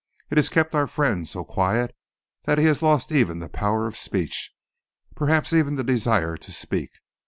It has kept our friend so quiet that he has lost even the power of speech, perhaps even the desire to speak.